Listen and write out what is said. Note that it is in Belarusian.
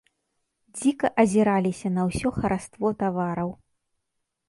Дзіка азіраліся на ўсё хараство тавараў.